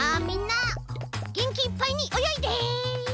みんなげんきいっぱいにおよいで。